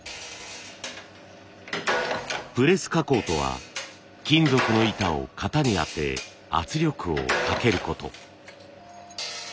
プレス加工とは金属の板を型に当て圧力をかけること。